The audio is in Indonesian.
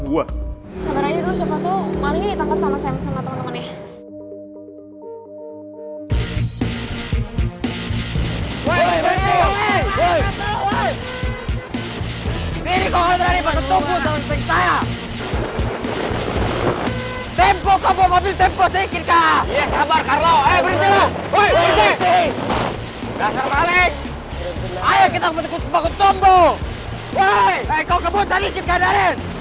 duduk di duk ext dirti kindnya kalau tidak apa apa